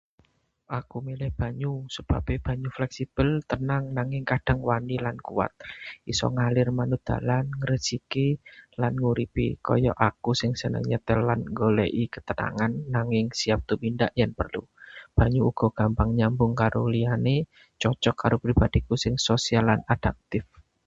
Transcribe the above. Aku milih banyu. Sebabe banyu fleksibel, tenang nanging kadang wani lan kuwat; iso ngalir manut dalan, ngresiki, lan nguripi. Kaya aku sing seneng nyetel lan nggoleki ketenangan, nanging siap tumindak yen perlu. Banyu uga gampang nyambung karo liyane, cocok karo pribadiku sing sosial lan adaptif.